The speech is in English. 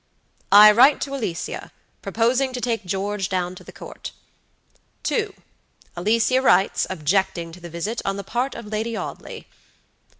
I write to Alicia, proposing to take George down to the Court." "2. Alicia writes, objecting to the visit, on the part of Lady Audley."